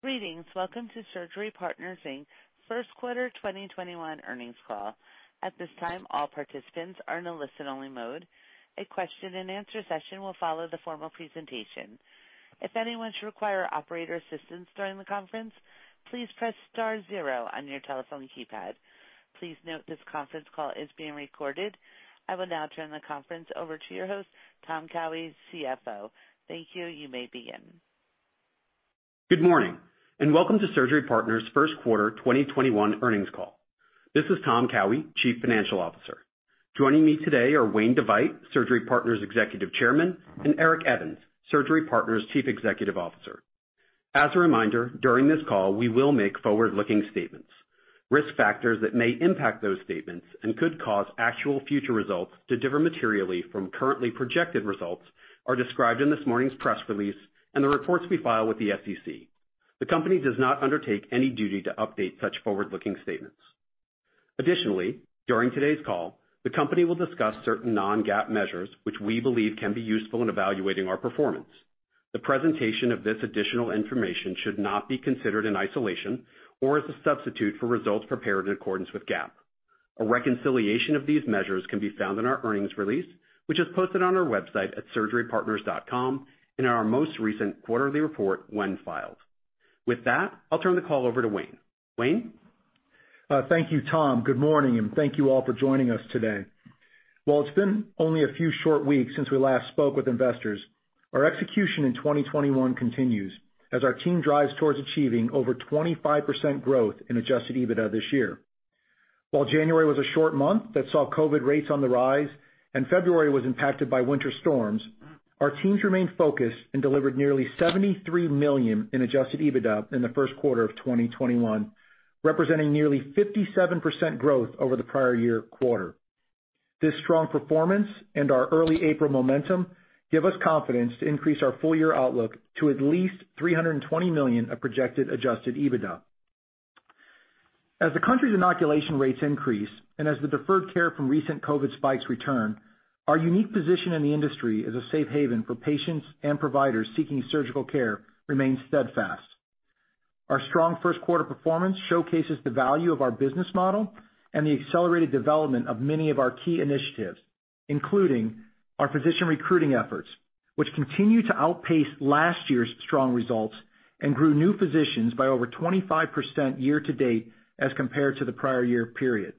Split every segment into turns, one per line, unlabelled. Greetings. Welcome to Surgery Partners Inc's first quarter 2021 earnings call. At this time, all participants are in a listen-only mode. A question and answer session will follow the formal presentation. If anyone should require operator assistance during the conference, please press star zero on your telephone keypad. Please note this conference call is being recorded. I will now turn the conference over to your host, Tom Cowhey, CFO. Thank you. You may begin.
Good morning, and welcome to Surgery Partners' first quarter 2021 earnings call. This is Tom Cowhey, Chief Financial Officer. Joining me today are Wayne DeVeydt, Surgery Partners' Executive Chairman, and Eric Evans, Surgery Partners' Chief Executive Officer. As a reminder, during this call, we will make forward-looking statements. Risk factors that may impact those statements and could cause actual future results to differ materially from currently projected results are described in this morning's press release and the reports we file with the SEC. The company does not undertake any duty to update such forward-looking statements. Additionally, during today's call, the company will discuss certain non-GAAP measures which we believe can be useful in evaluating our performance. The presentation of this additional information should not be considered in isolation or as a substitute for results prepared in accordance with GAAP. A reconciliation of these measures can be found in our earnings release, which is posted on our website at surgerypartners.com and in our most recent quarterly report when filed. With that, I'll turn the call over to Wayne. Wayne?
Thank you, Tom. Good morning, and thank you all for joining us today. While it's been only a few short weeks since we last spoke with investors, our execution in 2021 continues as our team drives towards achieving over 25% growth in adjusted EBITDA this year. While January was a short month that saw COVID rates on the rise, and February was impacted by winter storms, our teams remained focused and delivered nearly $73 million in adjusted EBITDA in the first quarter of 2021, representing nearly 57% growth over the prior year quarter. This strong performance and our early April momentum give us confidence to increase our full-year outlook to at least $320 million of projected adjusted EBITDA. As the country's inoculation rates increase, and as the deferred care from recent COVID spikes return, our unique position in the industry as a safe haven for patients and providers seeking surgical care remains steadfast. Our strong first quarter performance showcases the value of our business model and the accelerated development of many of our key initiatives, including our physician recruiting efforts, which continue to outpace last year's strong results and grew new physicians by over 25% year-to-date as compared to the prior year period.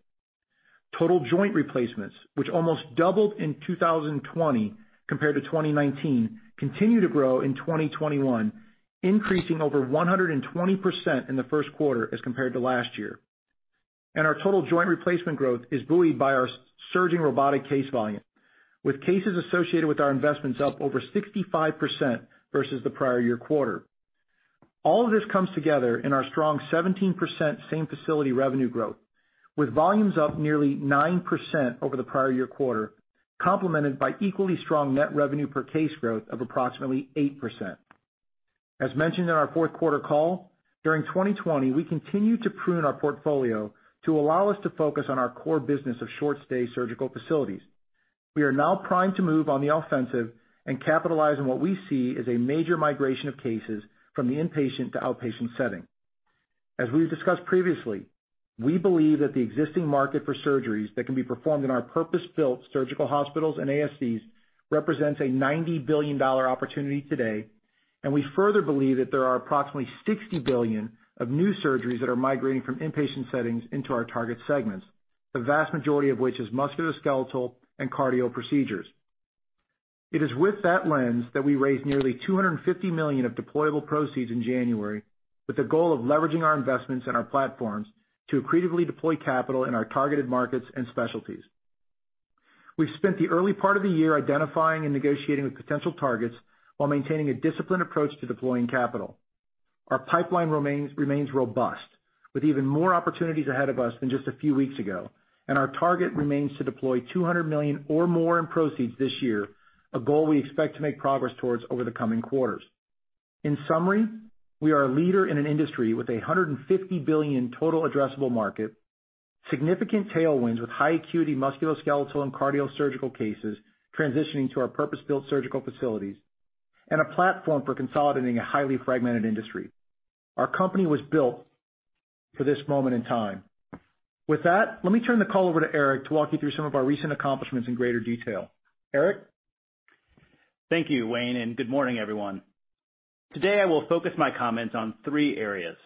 Total joint replacements, which almost doubled in 2020 compared to 2019, continue to grow in 2021, increasing over 120% in the first quarter as compared to last year. Our Total joint replacement growth is buoyed by our surging robotic case volume, with cases associated with our investments up over 65% versus the prior year quarter. All of this comes together in our strong 17% same-facility revenue growth, with volumes up nearly 9% over the prior year quarter, complemented by equally strong net revenue per case growth of approximately 8%. As mentioned in our fourth quarter call, during 2020, we continued to prune our portfolio to allow us to focus on our core business of short-stay surgical facilities. We are now primed to move on the offensive and capitalize on what we see as a major migration of cases from the inpatient to outpatient setting. As we've discussed previously, we believe that the existing market for surgeries that can be performed in our purpose-built surgical hospitals and ASCs represents a $90 billion opportunity today, and we further believe that there are approximately $60 billion of new surgeries that are migrating from inpatient settings into our target segments, the vast majority of which is musculoskeletal and cardio procedures. It is with that lens that we raised nearly $250 million of deployable proceeds in January with the goal of leveraging our investments and our platforms to creatively deploy capital in our targeted markets and specialties. We've spent the early part of the year identifying and negotiating with potential targets while maintaining a disciplined approach to deploying capital. Our pipeline remains robust, with even more opportunities ahead of us than just a few weeks ago, and our target remains to deploy $200 million or more in proceeds this year, a goal we expect to make progress towards over the coming quarters. In summary, we are a leader in an industry with $150 billion total addressable market, significant tailwinds with high acuity musculoskeletal and cardiothoracic surgical cases transitioning to our purpose-built surgical facilities, and a platform for consolidating a highly fragmented industry. Our company was built for this moment in time. With that, let me turn the call over to Eric to walk you through some of our recent accomplishments in greater detail. Eric?
Thank you, Wayne. Good morning, everyone. Today, I will focus my comments on three areas.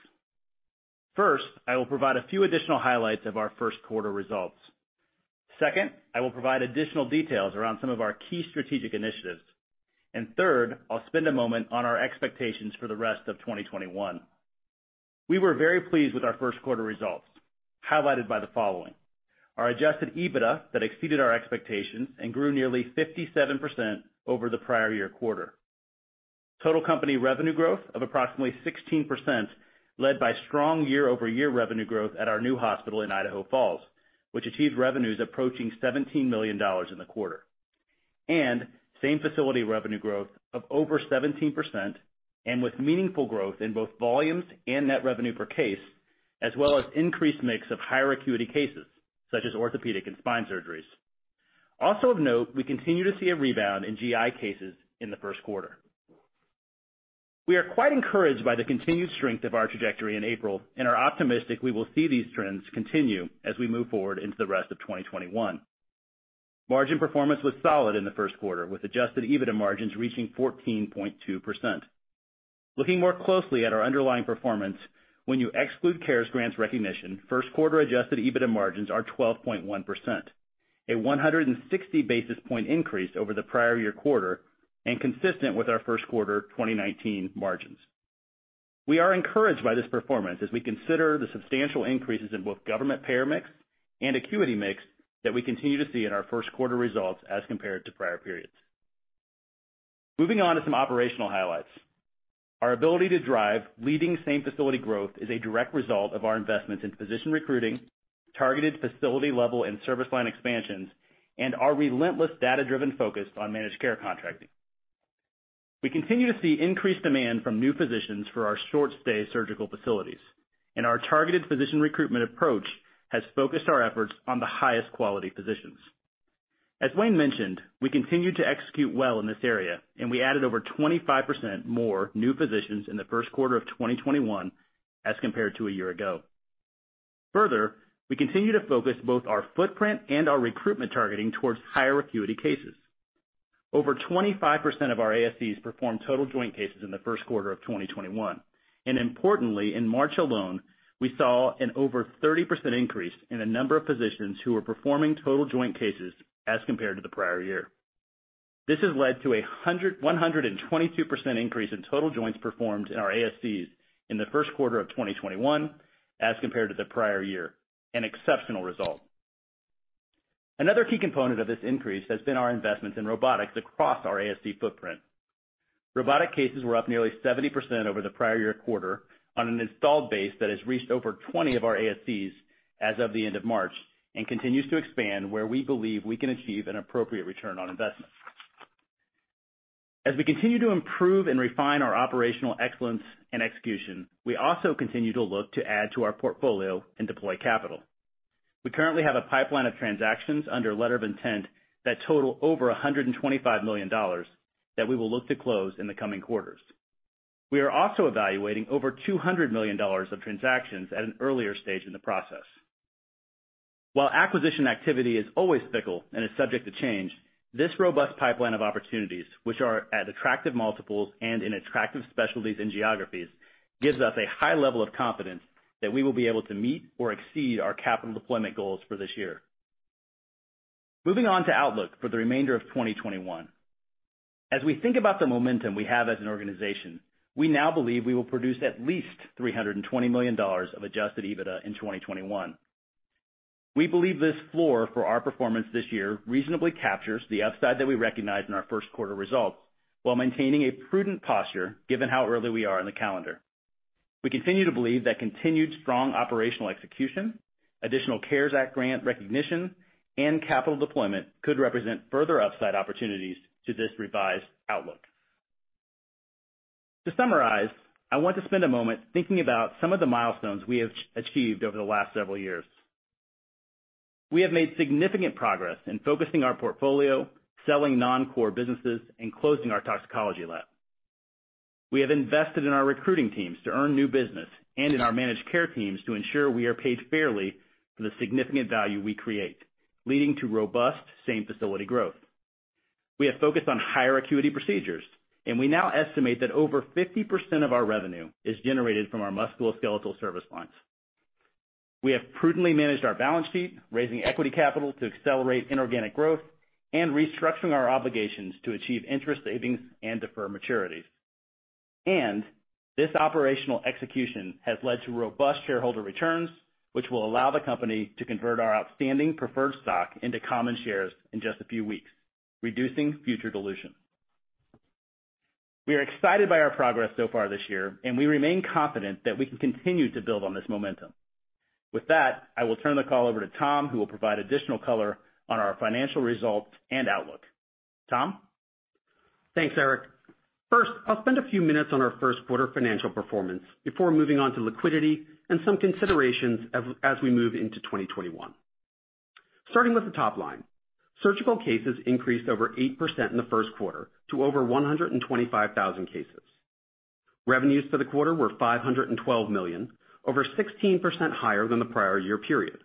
First, I will provide a few additional highlights of our first quarter results. Second, I will provide additional details around some of our key strategic initiatives. Third, I'll spend a moment on our expectations for the rest of 2021. We were very pleased with our first quarter results, highlighted by the following. Our adjusted EBITDA that exceeded our expectations and grew nearly 57% over the prior year quarter. Total company revenue growth of approximately 16%, led by strong year-over-year revenue growth at our new hospital in Idaho Falls, which achieved revenues approaching $17 million in the quarter. Same-facility revenue growth of over 17%, and with meaningful growth in both volumes and net revenue per case, as well as increased mix of higher acuity cases, such as orthopedic and spine surgeries. Also of note, we continue to see a rebound in GI cases in the first quarter. We are quite encouraged by the continued strength of our trajectory in April and are optimistic we will see these trends continue as we move forward into the rest of 2021. Margin performance was solid in the first quarter, with adjusted EBITDA margins reaching 14.2%. Looking more closely at our underlying performance, when you exclude CARES Grants recognition, first quarter adjusted EBITDA margins are 12.1%, a 160 basis point increase over the prior year quarter and consistent with our first quarter 2019 margins. We are encouraged by this performance as we consider the substantial increases in both government payer mix and acuity mix that we continue to see in our first quarter results as compared to prior periods. Moving on to some operational highlights. Our ability to drive leading same-facility growth is a direct result of our investments in physician recruiting, targeted facility level and service line expansions, and our relentless data-driven focus on managed care contracting. We continue to see increased demand from new physicians for our short-stay surgical facilities, and our targeted physician recruitment approach has focused our efforts on the highest quality physicians. As Wayne mentioned, we continue to execute well in this area, and we added over 25% more new physicians in the first quarter of 2021 as compared to a year ago. Further, we continue to focus both our footprint and our recruitment targeting towards higher acuity cases. Over 25% of our ASCs performed total joint cases in the first quarter of 2021. Importantly, in March alone, we saw an over 30% increase in the number of physicians who were performing total joint cases as compared to the prior year. This has led to a 122% increase in total joints performed in our ASCs in the first quarter of 2021 as compared to the prior year, an exceptional result. Another key component of this increase has been our investments in robotics across our ASC footprint. Robotic cases were up nearly 70% over the prior year quarter on an installed base that has reached over 20 of our ASCs as of the end of March and continues to expand where we believe we can achieve an appropriate return on investment. As we continue to improve and refine our operational excellence and execution, we also continue to look to add to our portfolio and deploy capital. We currently have a pipeline of transactions under letter of intent that total over $125 million that we will look to close in the coming quarters. We are also evaluating over $200 million of transactions at an earlier stage in the process. While acquisition activity is always fickle and is subject to change, this robust pipeline of opportunities, which are at attractive multiples and in attractive specialties and geographies, gives us a high level of confidence that we will be able to meet or exceed our capital deployment goals for this year. Moving on to outlook for the remainder of 2021. As we think about the momentum we have as an organization, we now believe we will produce at least $320 million of adjusted EBITDA in 2021. We believe this floor for our performance this year reasonably captures the upside that we recognized in our first quarter results while maintaining a prudent posture, given how early we are in the calendar. We continue to believe that continued strong operational execution, additional CARES Act grant recognition, and capital deployment could represent further upside opportunities to this revised outlook. To summarize, I want to spend a moment thinking about some of the milestones we have achieved over the last several years. We have made significant progress in focusing our portfolio, selling non-core businesses, and closing our toxicology lab. We have invested in our recruiting teams to earn new business and in our managed care teams to ensure we are paid fairly for the significant value we create, leading to robust same-facility growth. We have focused on higher acuity procedures. We now estimate that over 50% of our revenue is generated from our musculoskeletal service lines. We have prudently managed our balance sheet, raising equity capital to accelerate inorganic growth and restructuring our obligations to achieve interest savings and defer maturities. This operational execution has led to robust shareholder returns, which will allow the company to convert our outstanding preferred stock into common shares in just a few weeks, reducing future dilution. We are excited by our progress so far this year, and we remain confident that we can continue to build on this momentum. With that, I will turn the call over to Tom, who will provide additional color on our financial results and outlook. Tom?
I'll spend a few minutes on our first quarter financial performance before moving on to liquidity and some considerations as we move into 2021. Starting with the top line, surgical cases increased over 8% in the first quarter to over 125,000 cases. Revenues for the quarter were $512 million, over 16% higher than the prior year period.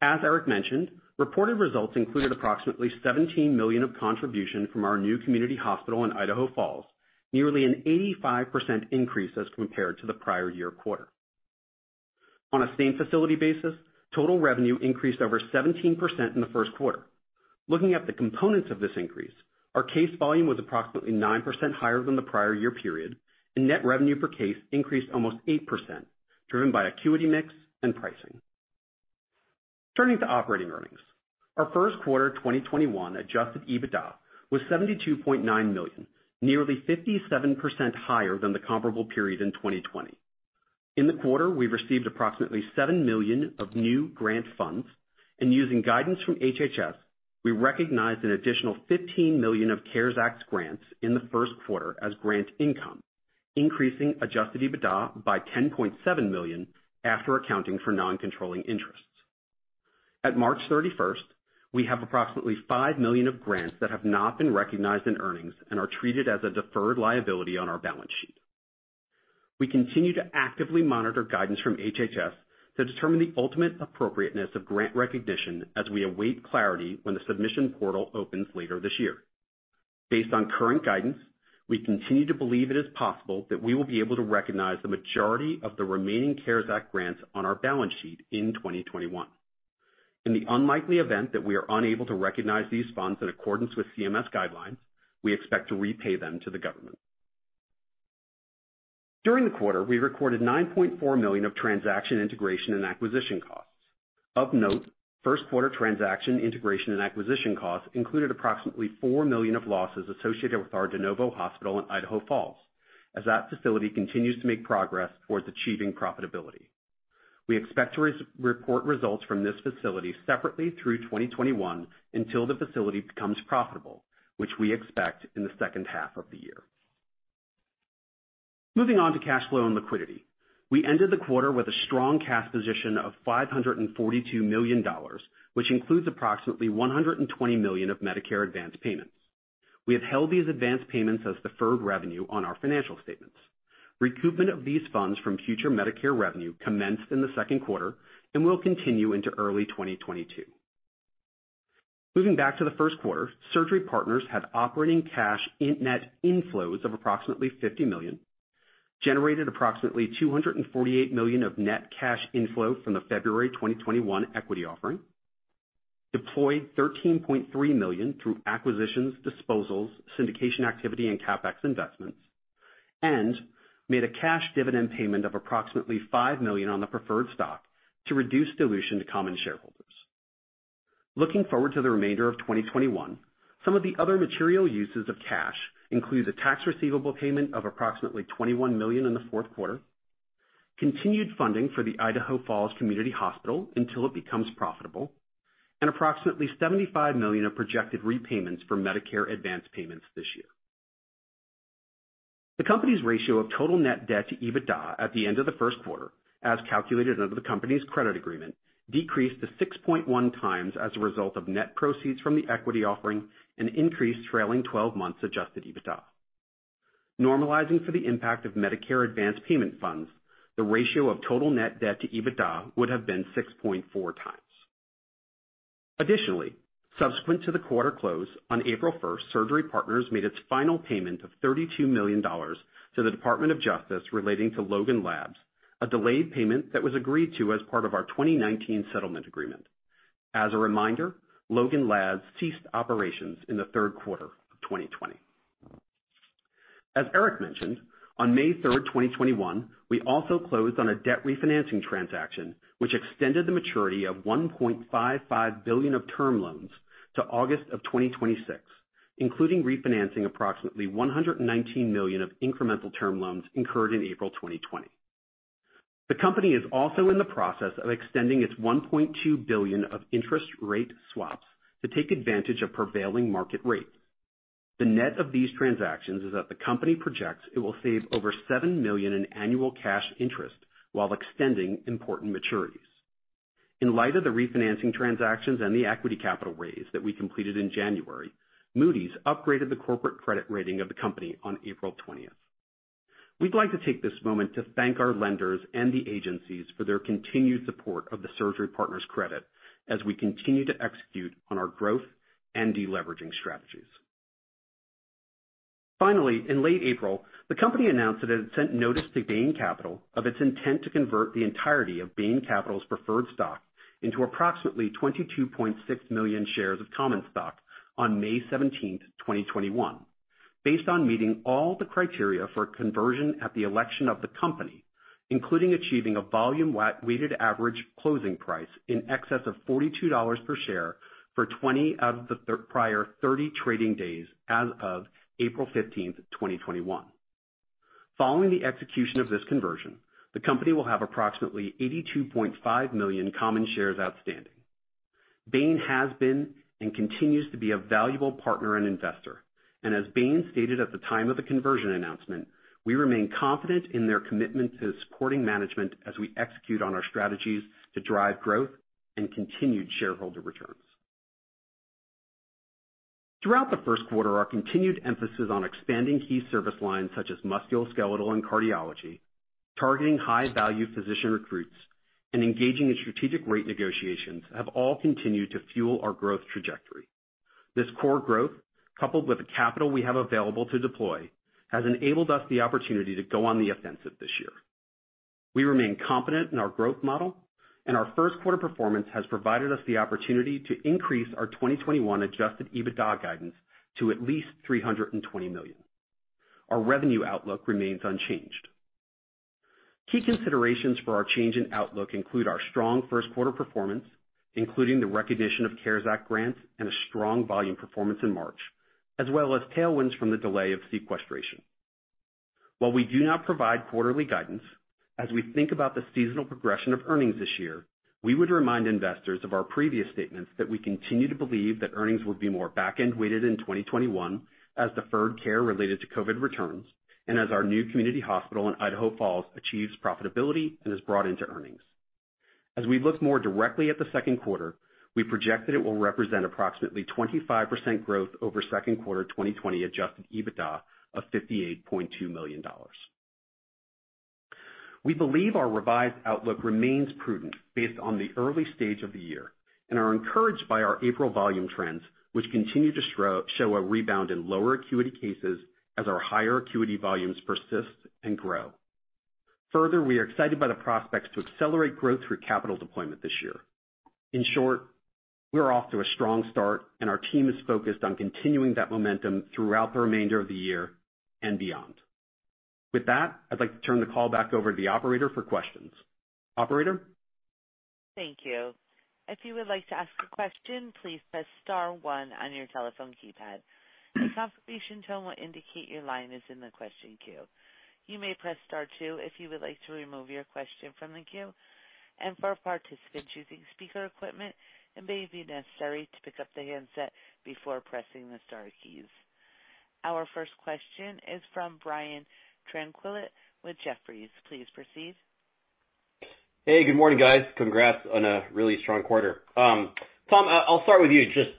As Eric mentioned, reported results included approximately $17 million of contribution from our new community hospital in Idaho Falls, nearly an 85% increase as compared to the prior year quarter. On a same-facility basis, total revenue increased over 17% in the first quarter. Looking at the components of this increase, our case volume was approximately 9% higher than the prior year period, and net revenue per case increased almost 8%, driven by acuity mix and pricing. Turning to operating earnings. Our first quarter 2021 adjusted EBITDA was $72.9 million, nearly 57% higher than the comparable period in 2020. In the quarter, we received approximately $7 million of new grant funds, and using guidance from HHS, we recognized an additional $15 million of CARES Act grants in the first quarter as grant income. Increasing adjusted EBITDA by $10.7 million after accounting for non-controlling interests. At March 31st, we have approximately $5 million of grants that have not been recognized in earnings and are treated as a deferred liability on our balance sheet. We continue to actively monitor guidance from HHS to determine the ultimate appropriateness of grant recognition as we await clarity when the submission portal opens later this year. Based on current guidance, we continue to believe it is possible that we will be able to recognize the majority of the remaining CARES Act grants on our balance sheet in 2021. In the unlikely event that we are unable to recognize these funds in accordance with CMS guidelines, we expect to repay them to the government. During the quarter, we recorded $9.4 million of transaction integration and acquisition costs. First quarter transaction integration and acquisition costs included approximately $4 million of losses associated with our de novo hospital in Idaho Falls, as that facility continues to make progress towards achieving profitability. We expect to report results from this facility separately through 2021 until the facility becomes profitable, which we expect in the second half of the year. Moving on to cash flow and liquidity. We ended the quarter with a strong cash position of $542 million, which includes approximately $120 million of Medicare advanced payments. We have held these advanced payments as deferred revenue on our financial statements. Recoupment of these funds from future Medicare revenue commenced in the second quarter and will continue into early 2022. Moving back to the first quarter, Surgery Partners had operating cash net inflows of approximately $50 million, generated approximately $248 million of net cash inflow from the February 2021 equity offering, deployed $13.3 million through acquisitions, disposals, syndication activity, and CapEx investments, and made a cash dividend payment of approximately $5 million on the preferred stock to reduce dilution to common shareholders. Looking forward to the remainder of 2021, some of the other material uses of cash include a tax receivable payment of approximately $21 million in the fourth quarter, continued funding for the Idaho Falls Community Hospital until it becomes profitable, and approximately $75 million of projected repayments for Medicare advanced payments this year. The company's ratio of total net debt to EBITDA at the end of the first quarter, as calculated under the company's credit agreement, decreased to 6.1x as a result of net proceeds from the equity offering and increased trailing 12 months adjusted EBITDA. Normalizing for the impact of Medicare advanced payment funds, the ratio of total net debt to EBITDA would have been 6.4x. Additionally, subsequent to the quarter close, on April 1st, Surgery Partners made its final payment of $32 million to the Department of Justice relating to Logan Labs, a delayed payment that was agreed to as part of our 2019 settlement agreement. As a reminder, Logan Labs ceased operations in the third quarter of 2020. As Eric mentioned, on May 3rd, 2021, we also closed on a debt refinancing transaction, which extended the maturity of $1.55 billion of term loans to August of 2026, including refinancing approximately $119 million of incremental term loans incurred in April 2020. The company is also in the process of extending its $1.2 billion of interest rate swaps to take advantage of prevailing market rates. The net of these transactions is that the company projects it will save over $7 million in annual cash interest while extending important maturities. In light of the refinancing transactions and the equity capital raise that we completed in January, Moody's upgraded the corporate credit rating of the company on April 20th. We'd like to take this moment to thank our lenders and the agencies for their continued support of the Surgery Partners credit as we continue to execute on our growth and deleveraging strategies. Finally, in late April, the company announced that it had sent notice to Bain Capital of its intent to convert the entirety of Bain Capital's preferred stock into approximately 22.6 million shares of common stock on May 17th, 2021. Based on meeting all the criteria for conversion at the election of the company, including achieving a volume weighted average closing price in excess of $42 per share for 20 of the prior 30 trading days as of April 15th, 2021. Following the execution of this conversion, the company will have approximately 82.5 million common shares outstanding. Bain has been and continues to be a valuable partner and investor. As Bain stated at the time of the conversion announcement, we remain confident in their commitment to supporting management as we execute on our strategies to drive growth and continued shareholder returns. Throughout the first quarter, our continued emphasis on expanding key service lines such as musculoskeletal and cardiology, targeting high-value physician recruits, and engaging in strategic rate negotiations have all continued to fuel our growth trajectory. This core growth, coupled with the capital we have available to deploy, has enabled us the opportunity to go on the offensive this year. We remain confident in our growth model, and our first quarter performance has provided us the opportunity to increase our 2021 adjusted EBITDA guidance to at least $320 million. Our revenue outlook remains unchanged. Key considerations for our change in outlook include our strong first quarter performance, including the recognition of CARES Act grants and a strong volume performance in March, as well as tailwinds from the delay of sequestration. While we do not provide quarterly guidance. As we think about the seasonal progression of earnings this year, we would remind investors of our previous statements that we continue to believe that earnings would be more back-end weighted in 2021 as deferred care related to COVID returns, and as our new community hospital in Idaho Falls achieves profitability and is brought into earnings. As we look more directly at the second quarter, we project that it will represent approximately 25% growth over second quarter 2020 adjusted EBITDA of $58.2 million. We believe our revised outlook remains prudent based on the early stage of the year, and are encouraged by our April volume trends, which continue to show a rebound in lower acuity cases as our higher acuity volumes persist and grow. Further, we are excited by the prospects to accelerate growth through capital deployment this year. In short, we are off to a strong start, and our team is focused on continuing that momentum throughout the remainder of the year and beyond. With that, I'd like to turn the call back over to the operator for questions. Operator?
Thank you. If you would like to ask a question, please press star one on your telephone keypad. A confirmation tone will indicate your line is in the question queue. You may press star two if you would like to remove your question from the queue. And for participants using speaker equipment, it may be necessary to pick up the handset before pressing the star keys. Our first question is from Brian Tanquilut with Jefferies. Please proceed.
Hey, good morning, guys. Congrats on a really strong quarter. Tom, I'll start with you, just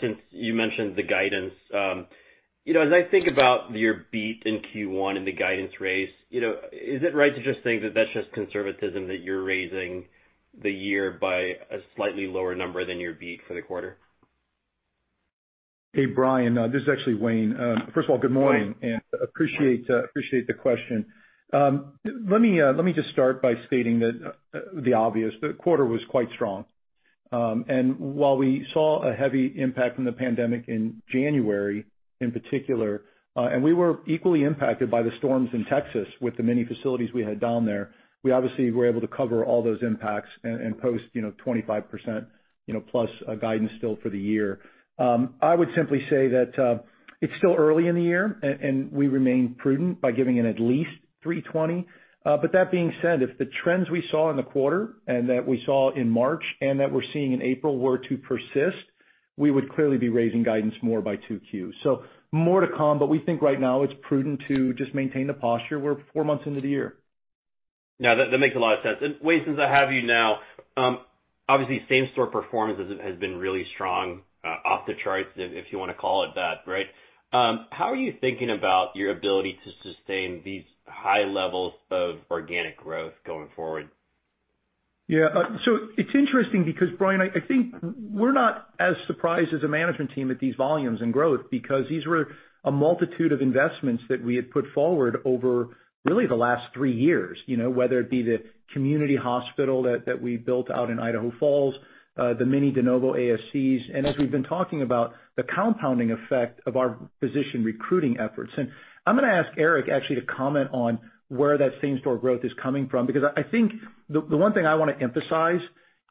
since you mentioned the guidance. As I think about your beat in Q1 and the guidance raise, is it right to just think that that's just conservatism, that you're raising the year by a slightly lower number than your beat for the quarter?
Hey, Brian, this is actually Wayne. First of all, good morning, and appreciate the question. Let me just start by stating the obvious. The quarter was quite strong. While we saw a heavy impact from the pandemic in January in particular, and we were equally impacted by the storms in Texas with the many facilities we had down there, we obviously were able to cover all those impacts and post 25%+ guidance still for the year. I would simply say that it's still early in the year, and we remain prudent by giving an at least $320. That being said, if the trends we saw in the quarter and that we saw in March and that we're seeing in April were to persist, we would clearly be raising guidance more by two Qs. More to come, but we think right now it's prudent to just maintain the posture. We're four months into the year.
No, that makes a lot of sense. Wayne, since I have you now, obviously same-store performance has been really strong, off the charts, if you want to call it that, right? How are you thinking about your ability to sustain these high levels of organic growth going forward?
Yeah. It's interesting because, Brian, I think we're not as surprised as a management team at these volumes and growth because these were a multitude of investments that we had put forward over really the last three years. Whether it be the community hospital that we built out in Idaho Falls, the mini de novo ASCs, and as we've been talking about, the compounding effect of our physician recruiting efforts. I'm going to ask Eric actually to comment on where that same-store growth is coming from, because I think the one thing I want to emphasize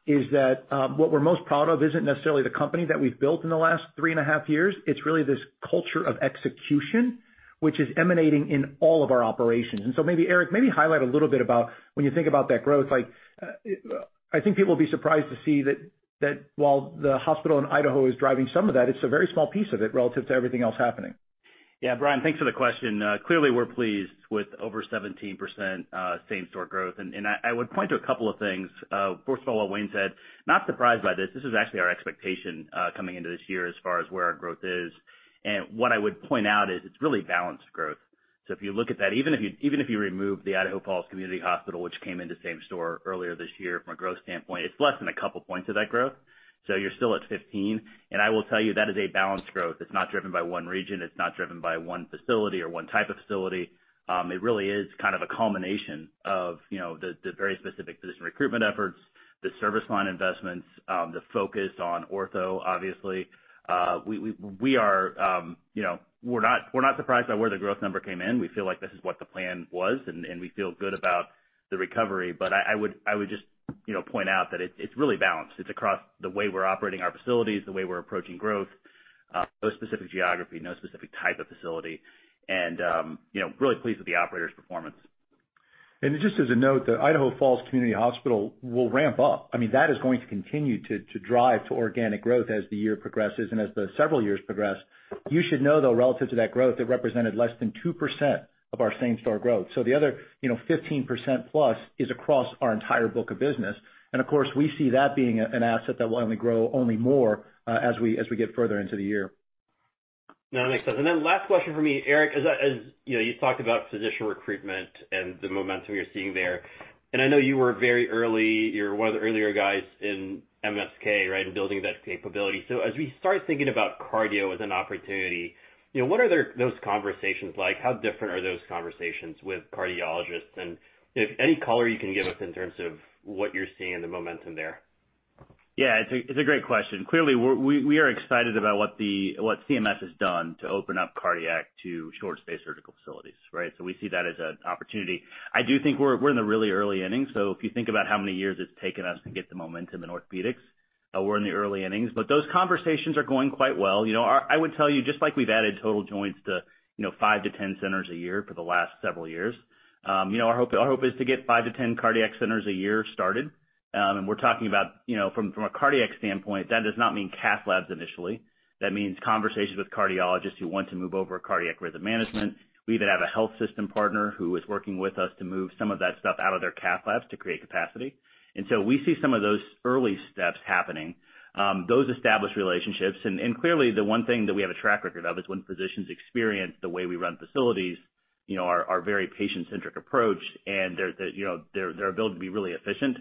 is that what we're most proud of isn't necessarily the company that we've built in the last three and a half years. It's really this culture of execution, which is emanating in all of our operations. Eric, maybe highlight a little bit about when you think about that growth. I think people will be surprised to see that while the hospital in Idaho is driving some of that, it's a very small piece of it relative to everything else happening.
Yeah, Brian, thanks for the question. Clearly, we're pleased with over 17% same-store growth. I would point to a couple of things. First of all, what Wayne said, not surprised by this. This is actually our expectation, coming into this year as far as where our growth is. What I would point out is it's really balanced growth. If you look at that, even if you remove the Idaho Falls Community Hospital, which came into same-store earlier this year, from a growth standpoint, it's less than a couple points of that growth. You're still at 15. I will tell you that is a balanced growth. It's not driven by one region. It's not driven by one facility or one type of facility. It really is kind of a culmination of the very specific physician recruitment efforts, the service line investments, the focus on ortho, obviously. We're not surprised by where the growth number came in. We feel like this is what the plan was, and we feel good about the recovery. I would just point out that it's really balanced. It's across the way we're operating our facilities, the way we're approaching growth. No specific geography, no specific type of facility. Really pleased with the operator's performance.
Just as a note, the Idaho Falls Community Hospital will ramp up. That is going to continue to drive to organic growth as the year progresses and as the several years progress. You should know, though, relative to that growth, it represented less than 2% of our same-store growth. The other 15% plus is across our entire book of business. Of course, we see that being an asset that will only grow only more as we get further into the year.
No, it makes sense. Last question from me, Eric, as you've talked about physician recruitment and the momentum you're seeing there, and I know you were very early, you're one of the earlier guys in MSK, right? As we start thinking about cardio as an opportunity, what are those conversations like? How different are those conversations with cardiologists? If any color you can give us in terms of what you're seeing in the momentum there.
Yeah, it's a great question. Clearly, we are excited about what CMS has done to open up cardiac to short stay surgical facilities, right? We see that as an opportunity. I do think we're in the really early innings. If you think about how many years it's taken us to get the momentum in orthopedics. We're in the early innings. Those conversations are going quite well. I would tell you, just like we've added total joints to 5-10 centers a year for the last several years, our hope is to get 5-10 cardiac centers a year started. We're talking about, from a cardiac standpoint, that does not mean cath labs initially. That means conversations with cardiologists who want to move over cardiac rhythm management. We even have a health system partner who is working with us to move some of that stuff out of their cath labs to create capacity. We see some of those early steps happening, those established relationships. Clearly, the one thing that we have a track record of is when physicians experience the way we run facilities, our very patient-centric approach, and their ability to be really efficient.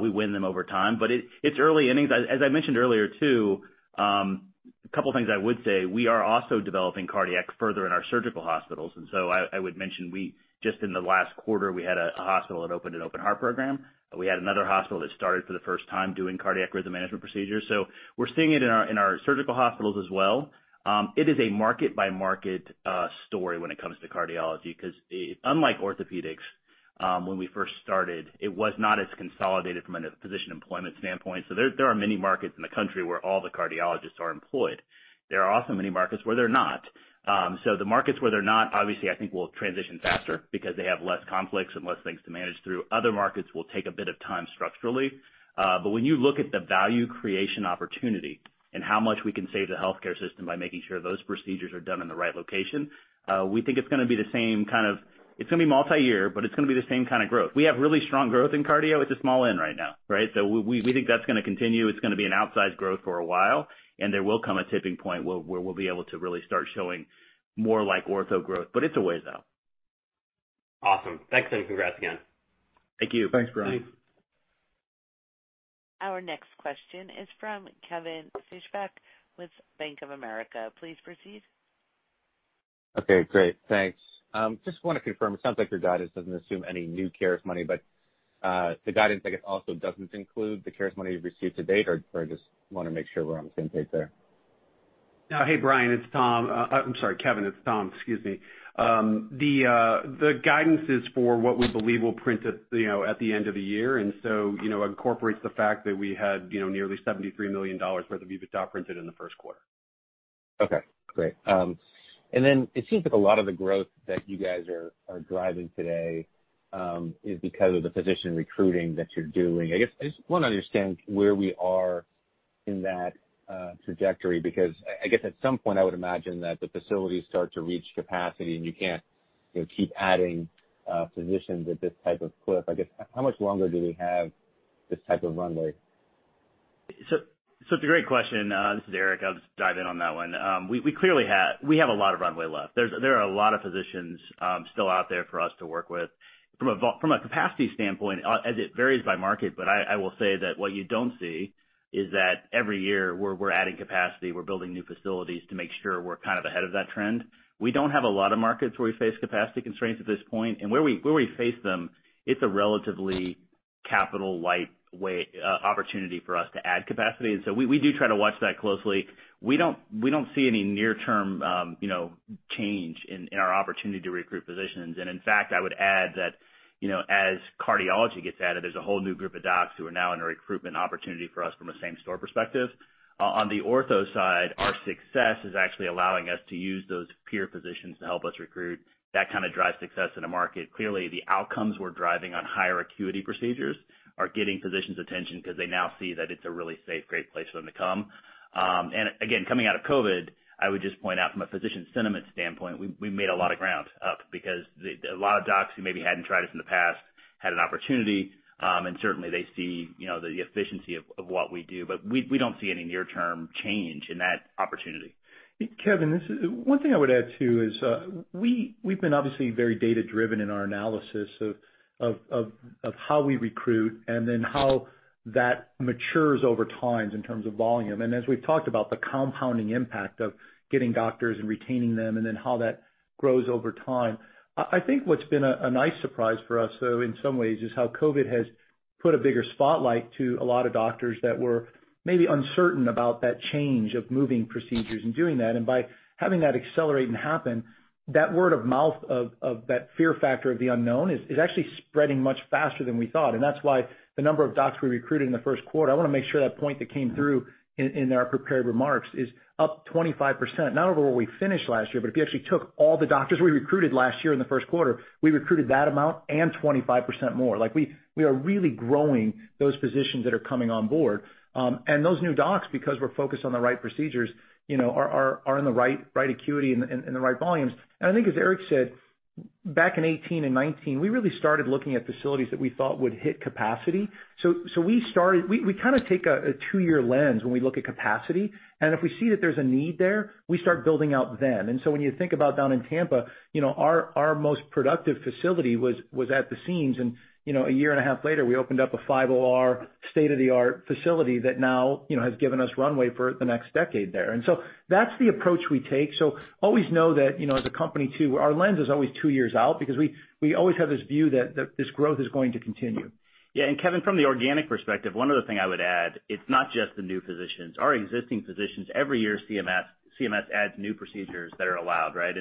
We win them over time, but it's early innings. As I mentioned earlier, too, a couple of things I would say. We are also developing cardiac further in our surgical hospitals. I would mention, just in the last quarter, we had a hospital that opened an open heart program. We had another hospital that started for the first time doing cardiac rhythm management procedures. We're seeing it in our surgical hospitals as well. It is a market-by-market story when it comes to cardiology, because unlike orthopedics, when we first started, it was not as consolidated from a physician employment standpoint. There are many markets in the country where all the cardiologists are employed. There are also many markets where they're not. The markets where they're not, obviously, I think will transition faster because they have less conflicts and less things to manage through. Other markets will take a bit of time structurally. When you look at the value creation opportunity and how much we can save the healthcare system by making sure those procedures are done in the right location, we think it's going to be multi-year, but it's going to be the same kind of growth. We have really strong growth in cardio. It's a small n right now. We think that's going to continue. It's going to be an outsized growth for a while, and there will come a tipping point where we'll be able to really start showing more like ortho growth, but it's a ways out.
Awesome. Thanks, and congrats again.
Thank you.
Thanks, Brian.
Thanks.
Our next question is from Kevin Fischbeck with Bank of America. Please proceed.
Okay, great. Thanks. Just want to confirm, it sounds like your guidance doesn't assume any new CARES money, but the guidance, I guess, also doesn't include the CARES money you've received to date, or I just want to make sure we're on the same page there?
No. Hey, Brian, it's Tom. I'm sorry, Kevin, it's Tom. Excuse me. The guidance is for what we believe will print at the end of the year. It incorporates the fact that we had nearly $73 million worth of EBITDA printed in the first quarter.
Okay, great. It seems like a lot of the growth that you guys are driving today, is because of the physician recruiting that you're doing. I guess I just want to understand where we are in that trajectory, because I guess at some point, I would imagine that the facilities start to reach capacity and you can't keep adding physicians at this type of clip. I guess, how much longer do we have this type of runway?
It's a great question. This is Eric. I'll just dive in on that one. We have a lot of runway left. There are a lot of physicians still out there for us to work with. From a capacity standpoint, as it varies by market, but I will say that what you don't see is that every year we're adding capacity. We're building new facilities to make sure we're kind of ahead of that trend. We don't have a lot of markets where we face capacity constraints at this point. Where we face them, it's a relatively capital light opportunity for us to add capacity. We do try to watch that closely. We don't see any near term change in our opportunity to recruit physicians. In fact, I would add that as cardiology gets added, there's a whole new group of docs who are now in a recruitment opportunity for us from a same store perspective. On the ortho side, our success is actually allowing us to use those peer physicians to help us recruit. That kind of drives success in a market. Clearly, the outcomes we're driving on higher acuity procedures are getting physicians' attention because they now see that it's a really safe, great place for them to come. Again, coming out of COVID, I would just point out from a physician sentiment standpoint, we've made a lot of ground up because a lot of docs who maybe hadn't tried us in the past had an opportunity. Certainly, they see the efficiency of what we do. We don't see any near term change in that opportunity.
Kevin, one thing I would add, too, is we've been obviously very data driven in our analysis of how we recruit and then how that matures over time in terms of volume. As we've talked about, the compounding impact of getting doctors and retaining them, and then how that grows over time. I think what's been a nice surprise for us, though, in some ways, is how COVID has put a bigger spotlight to a lot of doctors that were maybe uncertain about that change of moving procedures and doing that. By having that accelerate and happen, that word of mouth of that fear factor of the unknown is actually spreading much faster than we thought. That's why the number of docs we recruited in the first quarter, I want to make sure that point that came through in our prepared remarks, is up 25%, not over where we finished last year, but if you actually took all the doctors we recruited last year in the first quarter, we recruited that amount and 25% more. We are really growing those physicians that are coming on board. Those new docs, because we're focused on the right procedures, are in the right acuity and the right volumes. I think as Eric said, back in 2018 and 2019, we really started looking at facilities that we thought would hit capacity. We kind of take a two-year lens when we look at capacity. If we see that there's a need there, we start building out then. When you think about down in Tampa, our most productive facility was at the seams in. A year and a half later, we opened up a 5 OR state-of-the-art facility that now has given us runway for the next decade there. That's the approach we take. Always know that as a company too, our lens is always two years out because we always have this view that this growth is going to continue.
Yeah, Kevin, from the organic perspective, one other thing I would add, it's not just the new physicians. Our existing physicians, every year CMS adds new procedures that are allowed, right?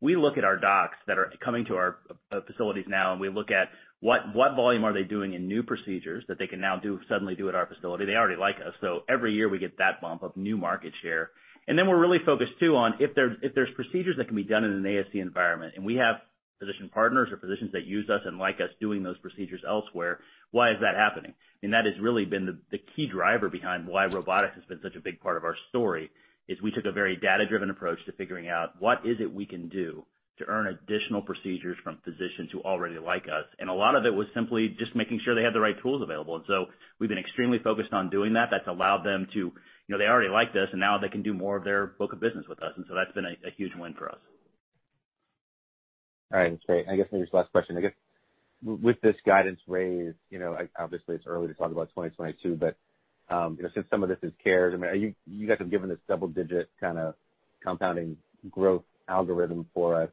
We look at our docs that are coming to our facilities now, and we look at what volume are they doing in new procedures that they can now suddenly do at our facility. They already like us, every year we get that bump of new market share. We're really focused too, on if there's procedures that can be done in an ASC environment, and we have physician partners or physicians that use us and like us doing those procedures elsewhere, why is that happening? That has really been the key driver behind why robotics has been such a big part of our story, is we took a very data-driven approach to figuring out what is it we can do to earn additional procedures from physicians who already like us. A lot of it was simply just making sure they had the right tools available. We've been extremely focused on doing that. That's allowed them. They already like us, and now they can do more of their book of business with us. That's been a huge win for us.
All right. Great. I guess maybe this last question. I guess with this guidance raise, obviously it's early to talk about 2022, but since some of this is CARES, you guys have given this double-digit kind of compounding growth algorithm for us.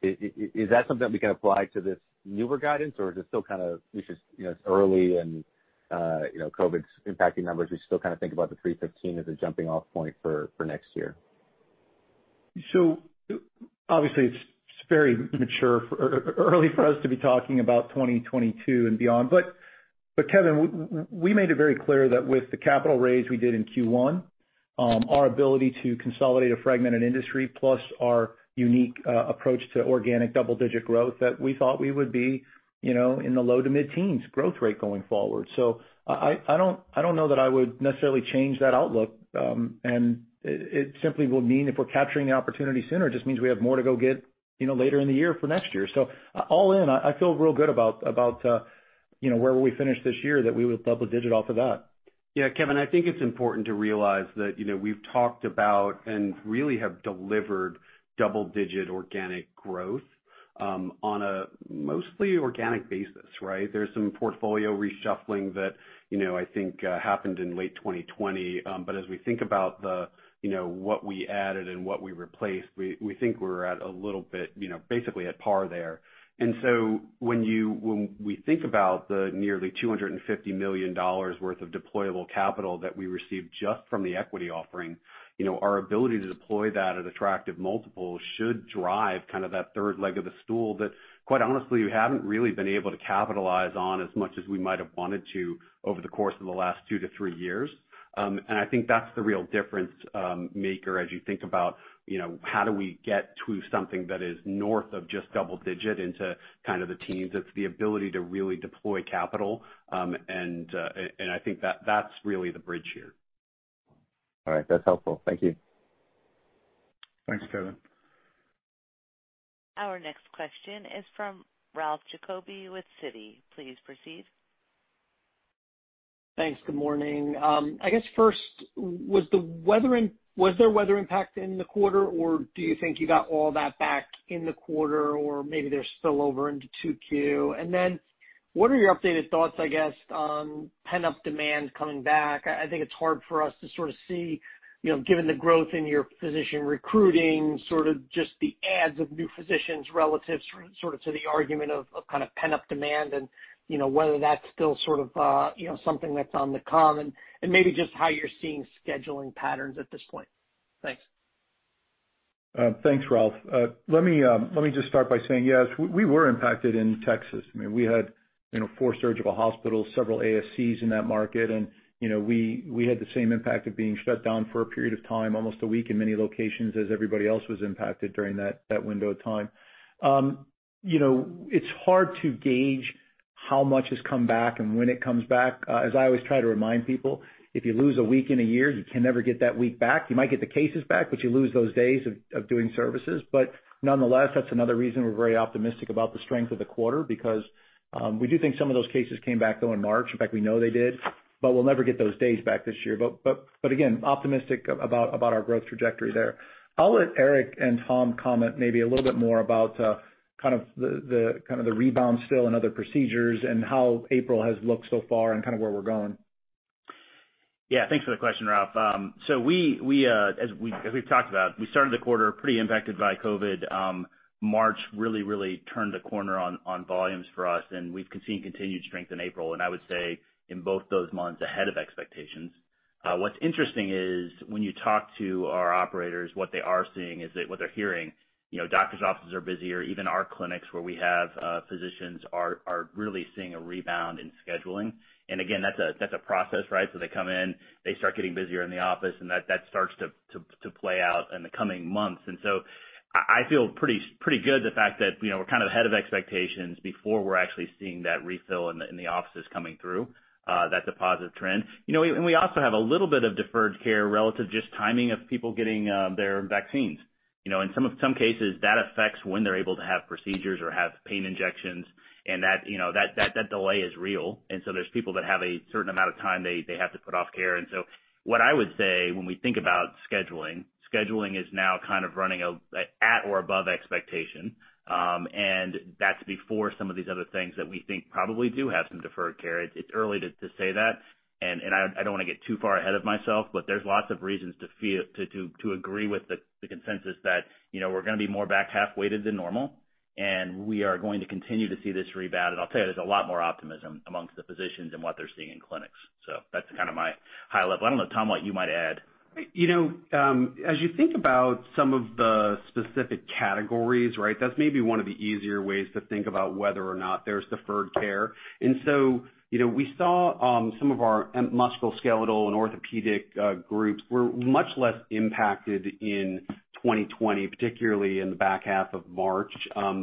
Is that something we can apply to this newer guidance or is it still kind of it's early and COVID's impacting numbers, we still kind of think about the $315 as a jumping off point for next year?
Obviously it's very mature early for us to be talking about 2022 and beyond. Kevin, we made it very clear that with the capital raise we did in Q1, our ability to consolidate a fragmented industry plus our unique approach to organic double-digit growth, that we thought we would be in the low-to-mid-teens growth rate going forward. I don't know that I would necessarily change that outlook. It simply will mean if we're capturing the opportunity sooner, it just means we have more to go get later in the year for next year. All in, I feel real good about where we finish this year that we would double-digit off of that.
Yeah, Kevin, I think it's important to realize that we've talked about and really have delivered double-digit organic growth on a mostly organic basis, right? There's some portfolio reshuffling that I think happened in late 2020. As we think about what we added and what we replaced, we think we're at a little bit, basically at par there. When we think about the nearly $250 million worth of deployable capital that we received just from the equity offering, our ability to deploy that at attractive multiples should drive kind of that third leg of the stool that, quite honestly, we haven't really been able to capitalize on as much as we might have wanted to over the course of the last two to three years. I think that's the real difference maker as you think about how do we get to something that is north of just double-digit into kind of the teens. It's the ability to really deploy capital, and I think that's really the bridge here.
All right, that's helpful. Thank you.
Thanks, Kevin.
Our next question is from Ralph Giacobbe with Citi. Please proceed.
Thanks. Good morning. I guess first, was there weather impact in the quarter, or do you think you got all that back in the quarter or maybe they're still over into 2Q? What are your updated thoughts, I guess, on pent-up demand coming back? I think it's hard for us to sort of see, given the growth in your physician recruiting, sort of just the adds of new physicians relative sort of to the argument of kind of pent-up demand and whether that's still sort of something that's on the come and maybe just how you're seeing scheduling patterns at this point. Thanks.
Thanks, Ralph. Let me just start by saying, yes, we were impacted in Texas. I mean, we had four surgical hospitals, several ASCs in that market. We had the same impact of being shut down for a period of time, almost a week in many locations as everybody else was impacted during that window of time. It's hard to gauge how much has come back and when it comes back. As I always try to remind people, if you lose a week in a year, you can never get that week back. You might get the cases back, you lose those days of doing services. Nonetheless, that's another reason we're very optimistic about the strength of the quarter, because we do think some of those cases came back, though, in March. In fact, we know they did, we'll never get those days back this year. Optimistic about our growth trajectory there. I'll let Eric and Tom comment maybe a little bit more about kind of the rebound still and other procedures and how April has looked so far and kind of where we're going.
Yeah, thanks for the question, Ralph. As we've talked about, we started the quarter pretty impacted by COVID. March really turned a corner on volumes for us, and we've seen continued strength in April. I would say in both those months ahead of expectations. What's interesting is when you talk to our operators, what they are seeing is that what they're hearing, doctor's offices are busier. Even our clinics where we have physicians are really seeing a rebound in scheduling. Again, that's a process, right? They come in, they start getting busier in the office, and that starts to play out in the coming months. I feel pretty good the fact that we're kind of ahead of expectations before we're actually seeing that refill in the offices coming through. That's a positive trend. We also have a little bit of deferred care relative to just timing of people getting their vaccines. In some cases, that affects when they're able to have procedures or have pain injections, and that delay is real. There's people that have a certain amount of time they have to put off care. What I would say when we think about scheduling is now kind of running at or above expectation. That's before some of these other things that we think probably do have some deferred care. It's early to say that, and I don't want to get too far ahead of myself, but there's lots of reasons to agree with the consensus that we're going to be more back half weighted than normal, and we are going to continue to see this rebound. I'll tell you, there's a lot more optimism amongst the physicians in what they're seeing in clinics. That's kind of my high level. I don't know, Tom, what you might add.
You think about some of the specific categories, that's maybe one of the easier ways to think about whether or not there's deferred care. We saw some of our musculoskeletal and orthopedic groups were much less impacted in 2020, particularly in the back half of March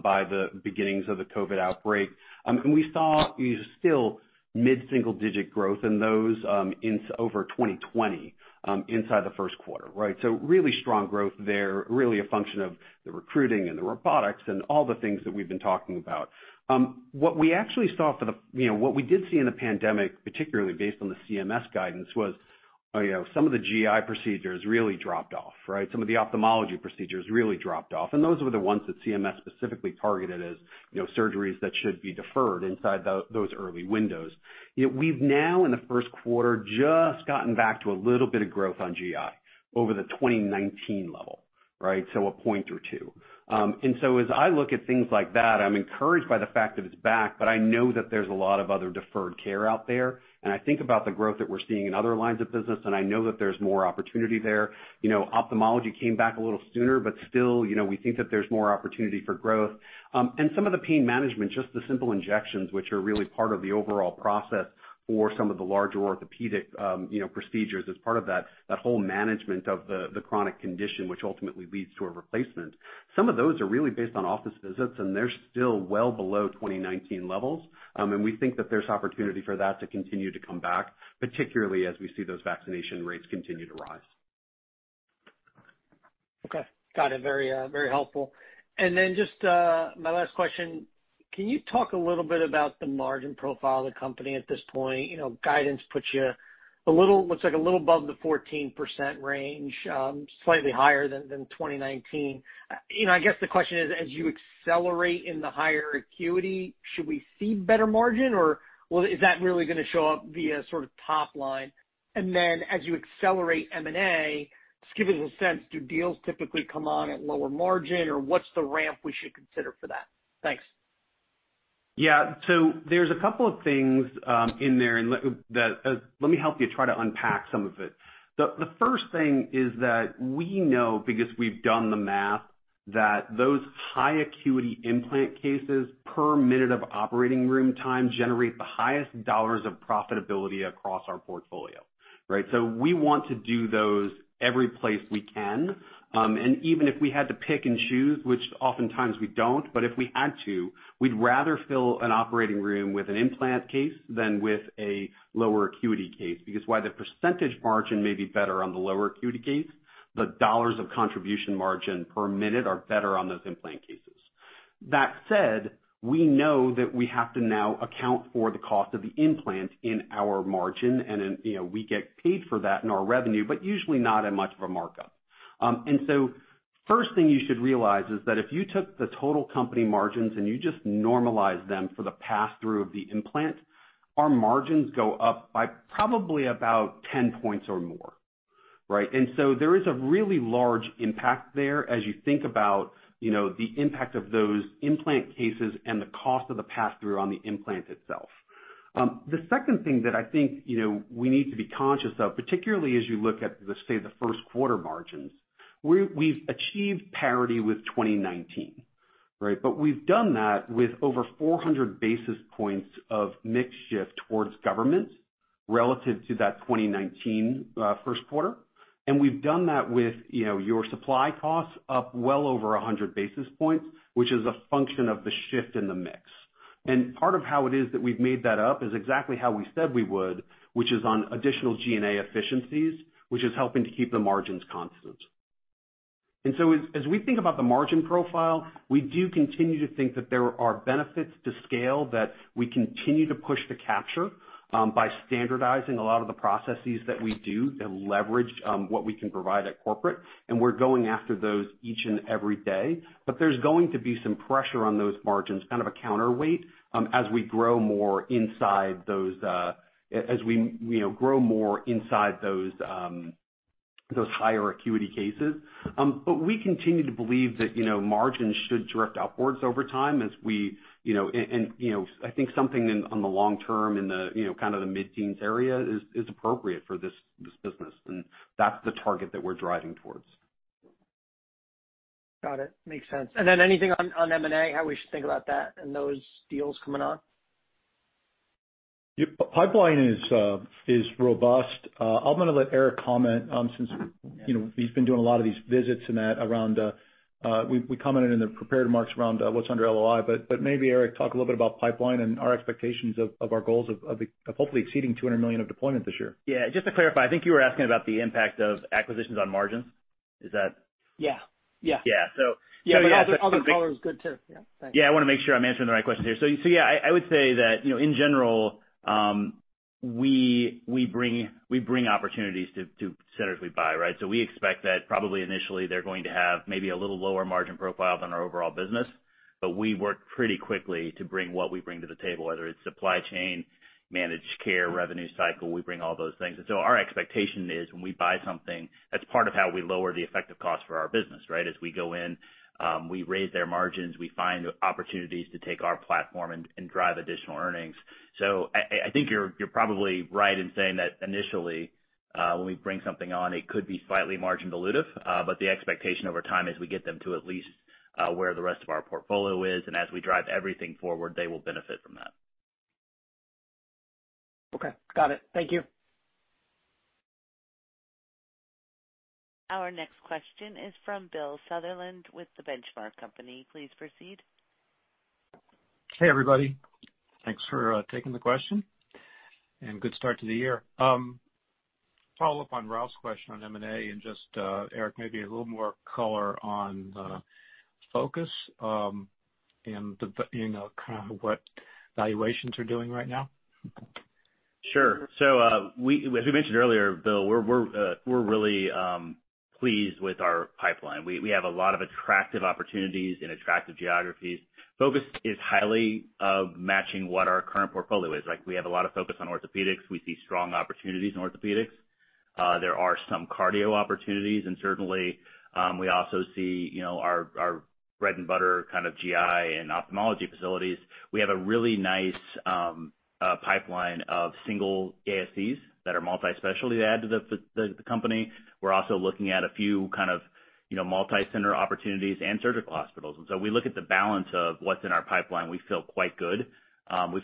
by the beginnings of the COVID outbreak. We saw still mid-single digit growth in those over 2020 inside the first quarter, right? Really strong growth there, really a function of the recruiting and the robotics and all the things that we've been talking about. What we did see in the pandemic, particularly based on the CMS guidance, was some of the GI procedures really dropped off. Some of the ophthalmology procedures really dropped off, and those were the ones that CMS specifically targeted as surgeries that should be deferred inside those early windows. We've now, in the first quarter, just gotten back to a little bit of growth on GI over the 2019 level. A point or two. As I look at things like that, I'm encouraged by the fact that it's back, but I know that there's a lot of other deferred care out there. I think about the growth that we're seeing in other lines of business, and I know that there's more opportunity there. Ophthalmology came back a little sooner, but still, we think that there's more opportunity for growth. Some of the pain management, just the simple injections, which are really part of the overall process for some of the larger orthopedic procedures as part of that whole management of the chronic condition, which ultimately leads to a replacement. Some of those are really based on office visits, and they're still well below 2019 levels. We think that there's opportunity for that to continue to come back, particularly as we see those vaccination rates continue to rise.
Okay, got it. Very helpful. Just my last question, can you talk a little bit about the margin profile of the company at this point? Guidance looks like a little above the 14% range, slightly higher than 2019. I guess the question is, as you accelerate in the higher acuity, should we see better margin, or is that really going to show up via sort of top line? As you accelerate M&A, just give me a little sense, do deals typically come on at lower margin, or what's the ramp we should consider for that? Thanks.
Yeah. There's a couple of things in there, and let me help you try to unpack some of it. The first thing is that we know, because we've done the math, that those high acuity implant cases per minute of operating room time generate the highest dollars of profitability across our portfolio. We want to do those every place we can. Even if we had to pick and choose, which oftentimes we don't, but if we had to, we'd rather fill an operating room with an implant case than with a lower acuity case. Because while the percentage margin may be better on the lower acuity case, the dollars of contribution margin per minute are better on those implant cases. That said, we know that we have to now account for the cost of the implant in our margin, and we get paid for that in our revenue, but usually not in much of a markup. First thing you should realize is that if you took the total company margins and you just normalize them for the pass-through of the implant, our margins go up by probably about 10 points or more. There is a really large impact there as you think about the impact of those implant cases and the cost of the pass-through on the implant itself. The second thing that I think we need to be conscious of, particularly as you look at, say, the first quarter margins, we've achieved parity with 2019. We've done that with over 400 basis points of mix shift towards government relative to that 2019 first quarter. We've done that with your supply costs up well over 100 basis points, which is a function of the shift in the mix. Part of how it is that we've made that up is exactly how we said we would, which is on additional G&A efficiencies, which is helping to keep the margins constant. As we think about the margin profile, we do continue to think that there are benefits to scale that we continue to push to capture by standardizing a lot of the processes that we do to leverage what we can provide at corporate, and we're going after those each and every day. There's going to be some pressure on those margins, kind of a counterweight as we grow more inside those higher acuity cases. We continue to believe that margins should drift upwards over time, and I think something in the long term in the mid-teens area is appropriate for this business, and that's the target that we're driving towards.
Got it. Makes sense. Anything on M&A, how we should think about that and those deals coming on?
Yeah. Pipeline is robust. I am going to let Eric comment since he has been doing a lot of these visits. We commented in the prepared remarks around what is under LOI, maybe, Eric, talk a little bit about pipeline and our expectations of our goals of hopefully exceeding $200 million of deployment this year.
Yeah. Just to clarify, I think you were asking about the impact of acquisitions on margins. Is that?
Yeah.
Yeah.
Yeah, but the other color is good too. Yeah. Thanks.
I want to make sure I'm answering the right question here. I would say that, in general, we bring opportunities to centers we buy, right? We expect that probably initially they're going to have maybe a little lower margin profile than our overall business, but we work pretty quickly to bring what we bring to the table, whether it's supply chain, managed care, revenue cycle. We bring all those things. Our expectation is when we buy something, that's part of how we lower the effective cost for our business, right? As we go in, we raise their margins, we find opportunities to take our platform and drive additional earnings. I think you're probably right in saying that initially, when we bring something on, it could be slightly margin dilutive. The expectation over time is we get them to at least where the rest of our portfolio is, and as we drive everything forward, they will benefit from that.
Okay. Got it. Thank you.
Our next question is from Bill Sutherland with The Benchmark Company. Please proceed.
Hey, everybody. Thanks for taking the question, and good start to the year. Follow up on Ralph's question on M&A, and just, Eric, maybe a little more color on the focus, and kind of what valuations are doing right now.
Sure. As we mentioned earlier, Bill, we're really pleased with our pipeline. We have a lot of attractive opportunities in attractive geographies. Focus is highly matching what our current portfolio is. We have a lot of focus on orthopedics. We see strong opportunities in orthopedics. There are some cardio opportunities, and certainly, we also see our bread and butter kind of GI and ophthalmology facilities. We have a really nice pipeline of single ASCs that are multi-specialty to add to the company. We're also looking at a few kind of multi-center opportunities and surgical hospitals. We look at the balance of what's in our pipeline. We feel quite good. We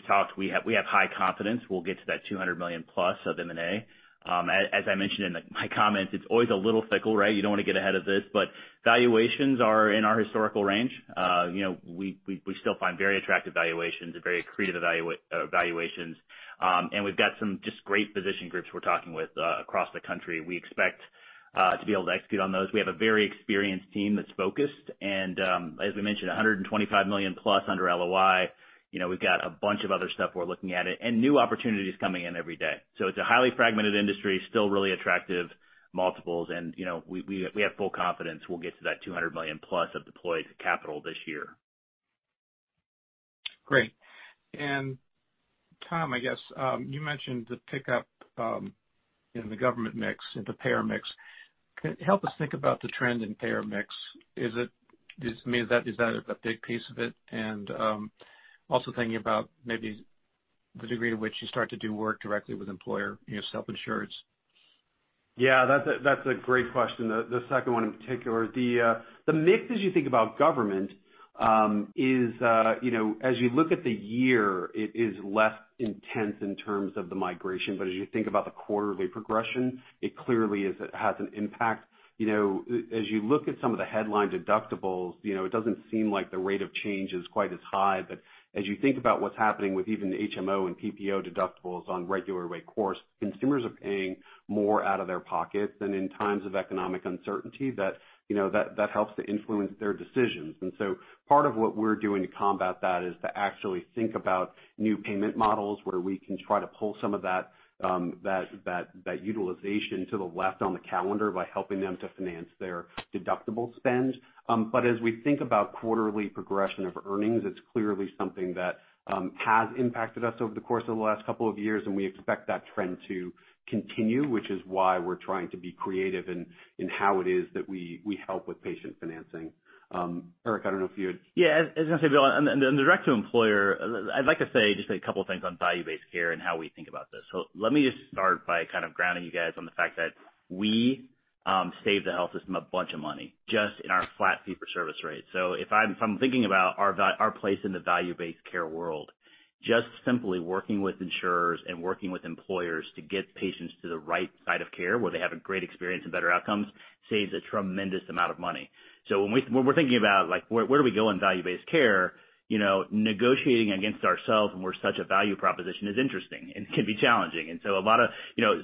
have high confidence we'll get to that $200 million+ of M&A. As I mentioned in my comments, it's always a little fickle, right? You don't want to get ahead of this, but valuations are in our historical range. We still find very attractive valuations and very accretive valuations. We've got some just great physician groups we're talking with across the country. We expect to be able to execute on those. We have a very experienced team that's focused. As we mentioned, $125 million+ under LOI. We've got a bunch of other stuff we're looking at and new opportunities coming in every day. It's a highly fragmented industry, still really attractive multiples, and we have full confidence we'll get to that $200+ million of deployed capital this year.
Great. Tom, I guess, you mentioned the pickup in the government mix and the payer mix. Help us think about the trend in payer mix. Is that a big piece of it, also thinking about maybe the degree to which you start to do work directly with employer self-insurance?
Yeah, that's a great question, the second one in particular. The mix as you think about government, as you look at the year, it is less intense in terms of the migration. As you think about the quarterly progression, it clearly has an impact. As you look at some of the headline deductibles, it doesn't seem like the rate of change is quite as high. As you think about what's happening with even the HMO and PPO deductibles on regular course, consumers are paying more out of their pocket than in times of economic uncertainty. That helps to influence their decisions. Part of what we're doing to combat that is to actually think about new payment models where we can try to pull some of that utilization to the left on the calendar by helping them to finance their deductible spend. As we think about quarterly progression of earnings, it's clearly something that has impacted us over the course of the last couple of years, and we expect that trend to continue, which is why we're trying to be creative in how it is that we help with patient financing. Eric, I don't know if you had?
Yeah, I was going to say, Bill, on the direct to employer, I'd like to say just a couple of things on value-based care and how we think about this. Let me just start by kind of grounding you guys on the fact that we save the health system a bunch of money just in our flat fee for service rates. If I'm thinking about our place in the value-based care world, just simply working with insurers and working with employers to get patients to the right side of care where they have a great experience and better outcomes, saves a tremendous amount of money. When we're thinking about where do we go in value-based care, negotiating against ourselves when we're such a value proposition is interesting and can be challenging.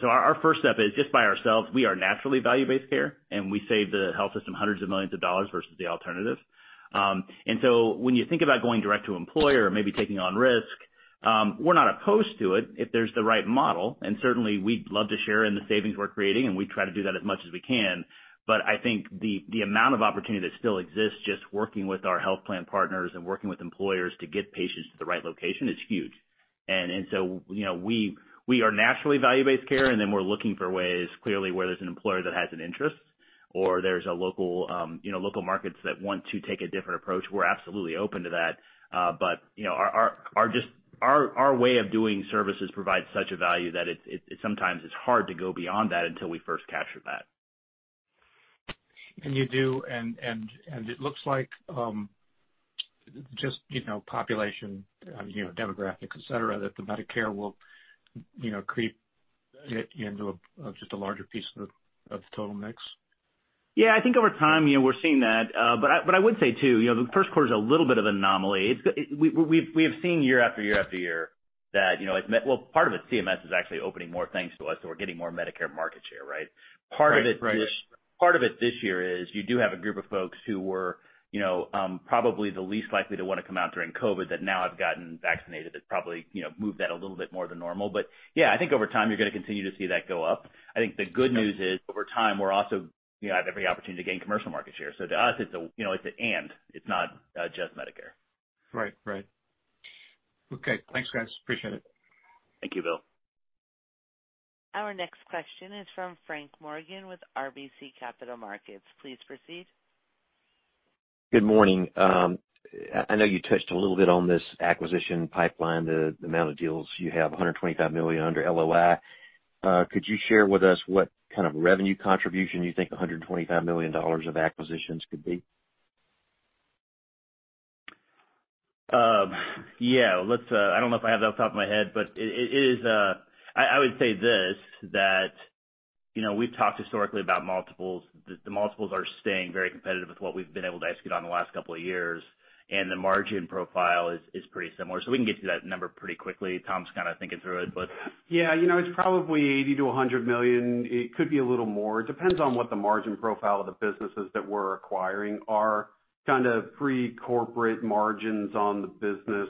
Our first step is just by ourselves, we are naturally value-based care, and we save the health system hundreds of millions of dollars versus the alternative. When you think about going direct to employer or maybe taking on risk, we're not opposed to it if there's the right model. Certainly, we'd love to share in the savings we're creating, and we try to do that as much as we can. I think the amount of opportunity that still exists just working with our health plan partners and working with employers to get patients to the right location is huge. We are naturally value-based care, and then we're looking for ways clearly where there's an employer that has an interest or there's local markets that want to take a different approach. We're absolutely open to that. Our way of doing services provides such a value that sometimes it's hard to go beyond that until we first capture that.
You do, and it looks like just population, demographics, et cetera, that the Medicare will creep into just a larger piece of the total mix.
Yeah, I think over time, we're seeing that. I would say, too, the first quarter is a little bit of an anomaly. We have seen year after year, well, part of it, CMS is actually opening more things to us, so we're getting more Medicare market share, right? Right. Part of it this year is you do have a group of folks who were probably the least likely to want to come out during COVID that now have gotten vaccinated. That's probably moved that a little bit more than normal. Yeah, I think over time, you're going to continue to see that go up. I think the good news is, over time, we also have every opportunity to gain commercial market share. To us, it's an and, it's not just Medicare.
Right. Okay. Thanks, guys. Appreciate it.
Thank you, Bill.
Our next question is from Frank Morgan with RBC Capital Markets. Please proceed.
Good morning. I know you touched a little bit on this acquisition pipeline, the amount of deals you have, $125 million under LOI. Could you share with us what kind of revenue contribution you think $125 million of acquisitions could be?
I don't know if I have that off the top of my head, but I would say this, that we've talked historically about multiples. The multiples are staying very competitive with what we've been able to execute on the last couple of years, and the margin profile is pretty similar. We can get to that number pretty quickly. Tom's kind of thinking through it, but
It's probably $80 million-$100 million. It could be a little more. Depends on what the margin profile of the businesses that we're acquiring are. Kind of pre-corporate margins on the business,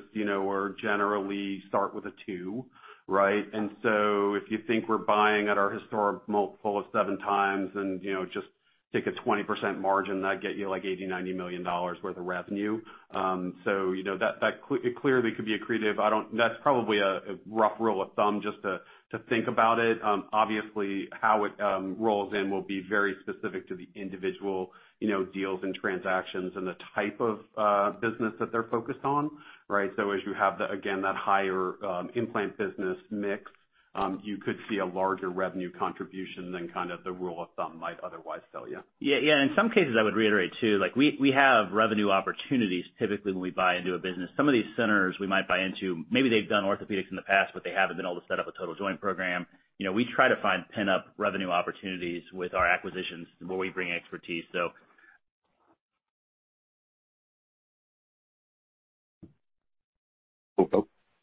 generally start with a two, right? If you think we're buying at our historic multiple of seven times and just take a 20% margin, that'd get you like $80 million, $90 million worth of revenue. It clearly could be accretive. That's probably a rough rule of thumb just to think about it. Obviously, how it rolls in will be very specific to the individual deals and transactions and the type of business that they're focused on, right? As you have, again, that higher implant business mix, you could see a larger revenue contribution than kind of the rule of thumb might otherwise tell you.
Yeah. In some cases, I would reiterate too, we have revenue opportunities typically when we buy into a business. Some of these centers we might buy into, maybe they've done orthopedics in the past, but they haven't been able to set up a total joint program. We try to find pent-up revenue opportunities with our acquisitions where we bring expertise.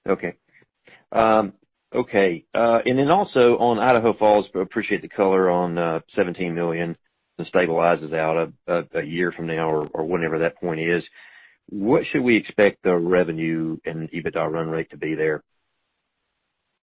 Okay. Also on Idaho Falls, appreciate the color on $17 million and stabilizes out a year from now or whenever that point is. What should we expect the revenue and EBITDA run rate to be there?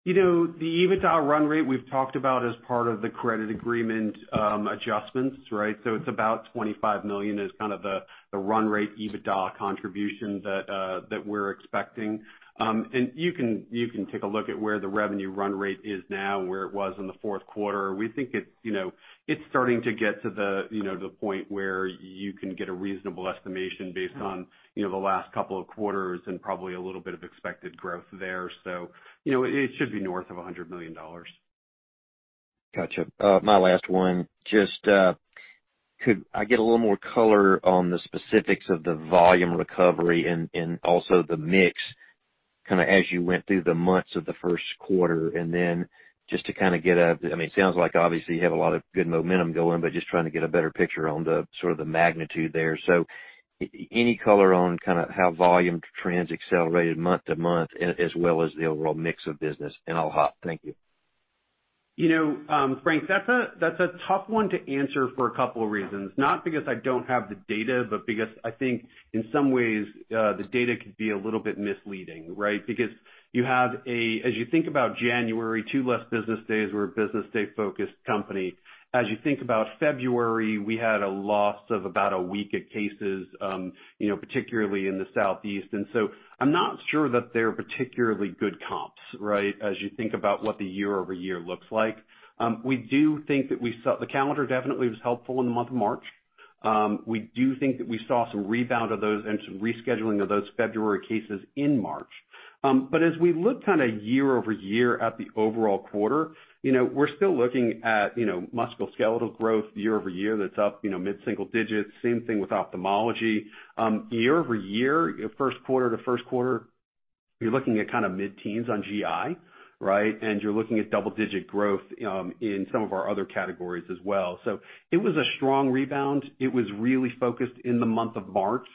The EBITDA run rate we've talked about as part of the credit agreement adjustments, right? It's about $25 million is kind of the run rate EBITDA contribution that we're expecting. You can take a look at where the revenue run rate is now and where it was in the fourth quarter. We think it's starting to get to the point where you can get a reasonable estimation based on the last couple of quarters and probably a little bit of expected growth there. It should be north of $100 million.
Got you. My last one, just could I get a little more color on the specifics of the volume recovery and also the mix kind of as you went through the months of the first quarter and then just to kind of I mean, it sounds like obviously you have a lot of good momentum going, but just trying to get a better picture on the sort of the magnitude there. Any color on how volume trends accelerated month to month as well as the overall mix of business in all hop? Thank you.
Frank, that's a tough one to answer for a couple of reasons, not because I don't have the data, but because I think in some ways, the data could be a little bit misleading, right? Because as you think about January, two less business days, we're a business day focused company. As you think about February, we had a loss of about a week of cases, particularly in the Southeast. So I'm not sure that they're particularly good comps, right, as you think about what the year-over-year looks like. We do think that the calendar definitely was helpful in the month of March. We do think that we saw some rebound of those and some rescheduling of those February cases in March. As we look year-over-year at the overall quarter, we're still looking at musculoskeletal growth year-over-year that's up mid-single digits. Same thing with ophthalmology. Year-over-year, first quarter to first quarter, you're looking at kind of mid-teens on GI, right? You're looking at double-digit growth in some of our other categories as well. It was a strong rebound. It was really focused in the month of March,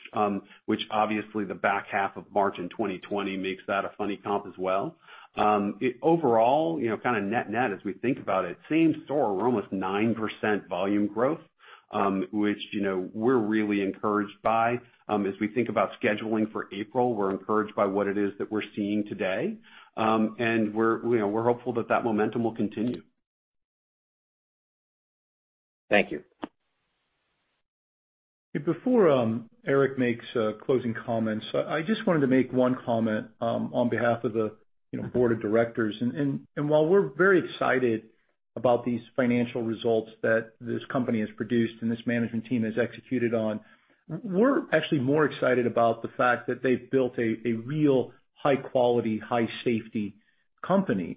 which obviously the back half of March in 2020 makes that a funny comp as well. Overall, kind of net net as we think about it, same store, we're almost 9% volume growth, which we're really encouraged by. As we think about scheduling for April, we're encouraged by what it is that we're seeing today. We're hopeful that that momentum will continue.
Thank you.
Before Eric makes closing comments, I just wanted to make one comment on behalf of the board of directors. While we're very excited about these financial results that this company has produced and this management team has executed on, we're actually more excited about the fact that they've built a real high quality, high safety. Company.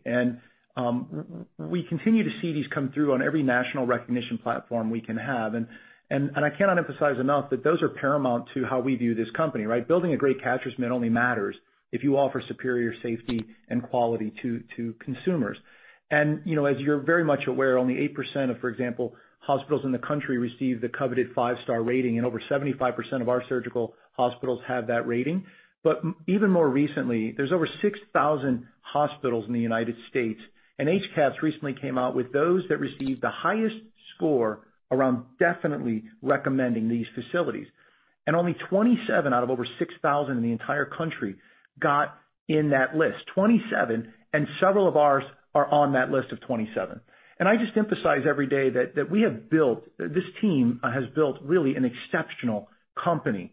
We continue to see these come through on every national recognition platform we can have. I cannot emphasize enough that those are paramount to how we view this company, right? Building a great catcher's mitt only matters if you offer superior safety and quality to consumers. As you're very much aware, only 8%, for example, of hospitals in the country receive the coveted five-star rating, and over 75% of our surgical hospitals have that rating. Even more recently, there's over 6,000 hospitals in the United States, and HCAHPS recently came out with those that received the highest score around definitely recommending these facilities. Only 27 out of over 6,000 in the entire country got in that list. 27, and several of ours are on that list of 27. I just emphasize every day that we have built, this team has built, really, an exceptional company.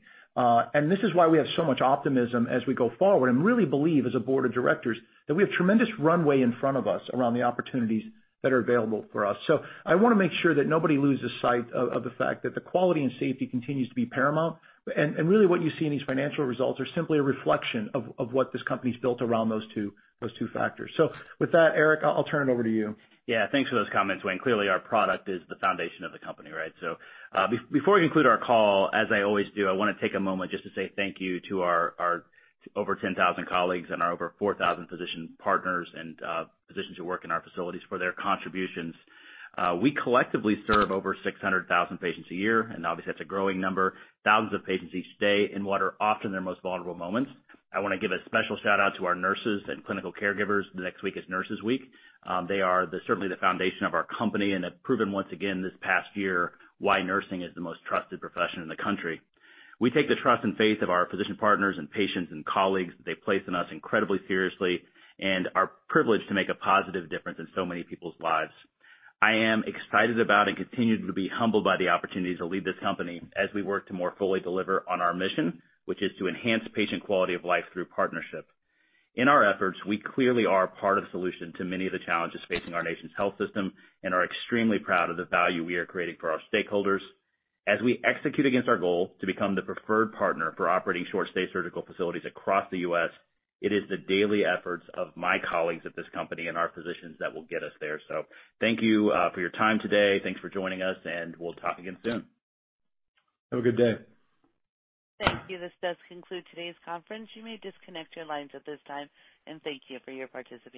This is why we have so much optimism as we go forward and really believe as a board of directors that we have tremendous runway in front of us around the opportunities that are available for us. I want to make sure that nobody loses sight of the fact that the quality and safety continues to be paramount. Really what you see in these financial results are simply a reflection of what this company's built around those two factors. With that, Eric, I'll turn it over to you.
Yeah. Thanks for those comments, Wayne. Clearly, our product is the foundation of the company, right? Before we conclude our call, as I always do, I want to take a moment just to say thank you to our over 10,000 colleagues and our over 4,000 physician partners and physicians who work in our facilities for their contributions. We collectively serve over 600,000 patients a year, obviously that's a growing number, thousands of patients each stay in what are often their most vulnerable moments. I want to give a special shout-out to our nurses and clinical caregivers. Next week is Nurses Week. They are certainly the foundation of our company and have proven once again this past year why nursing is the most trusted profession in the country. We take the trust and faith of our physician partners and patients and colleagues that they place in us incredibly seriously and are privileged to make a positive difference in so many people's lives. I am excited about and continue to be humbled by the opportunity to lead this company as we work to more fully deliver on our mission, which is to enhance patient quality of life through partnership. In our efforts, we clearly are part of the solution to many of the challenges facing our nation's health system and are extremely proud of the value we are creating for our stakeholders. As we execute against our goal to become the preferred partner for operating short-stay surgical facilities across the U.S., it is the daily efforts of my colleagues at this company and our physicians that will get us there. Thank you for your time today. Thanks for joining us, and we'll talk again soon.
Have a good day.
Thank you. This does conclude today's conference. You may disconnect your lines at this time, and thank you for your participation.